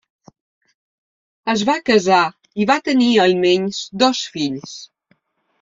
Es va casar i va tenir, almenys, dos fills.